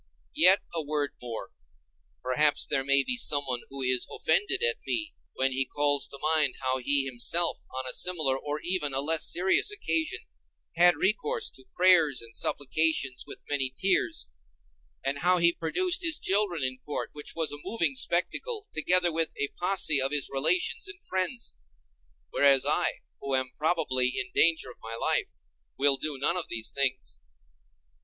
Yet a word more. Perhaps there may be someone who is offended at me, when he calls to mind how he himself, on a similar or even a less serious occasion, had recourse to prayers and supplications with many tears, and how he produced his children in court, which was a moving spectacle, together with a posse of his relations and friends; whereas I, who am probably in danger of my life, will do none of these things.